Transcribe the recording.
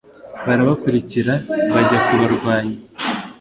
barabakurikira bajya kubarwanya